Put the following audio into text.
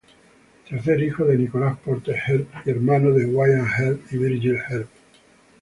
Tercer hijo de Nicholas Porter Earp y hermano de Wyatt Earp y Virgil Earp.